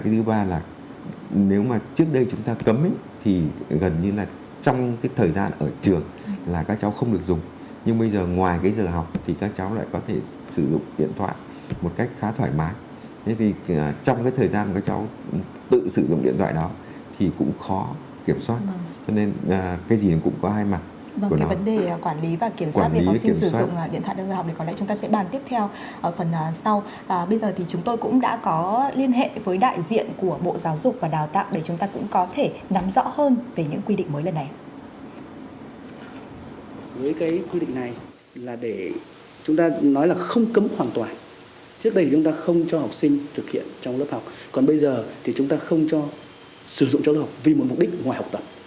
trước đây chúng ta không cho học sinh thực hiện trong lớp học còn bây giờ thì chúng ta không cho sử dụng trong lớp học vì một mục đích ngoài học tập